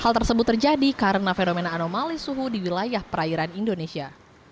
hal tersebut terjadi karena fenomena anomali suhu di wilayah perairan indonesia